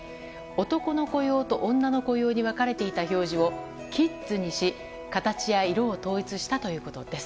男の子用と女の子用に分かれていた表示をＫＩＤＳにし形や色を統一したということです。